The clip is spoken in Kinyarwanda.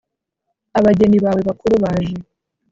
abageni bawe bakuru, baje